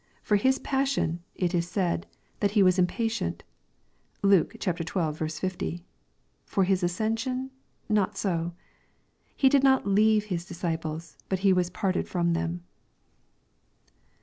For His passion, it is said, that He was impatient; (Luke xii. 50.)— for His ascension, not so. He did not have His disciples, but was parted ft om them."